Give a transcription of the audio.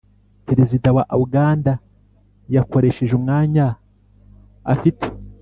perezida wa uganda yakoresheje umwanya afite